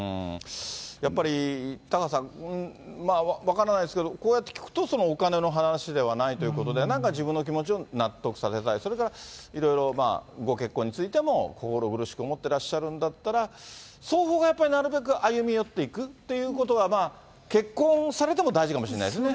やっぱりタカさん、分からないですけど、こうやって聞くと、お金の話ではないということで、なんか自分の気持ちを納得させたい、それからいろいろご結婚についても、心苦しく思ってらっしゃるんだったら、双方がやっぱりなるべく歩み寄っていくっていうことが、結婚されても大事かもしれないですね。